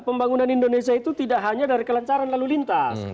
pembangunan indonesia itu tidak hanya dari kelancaran lalu lintas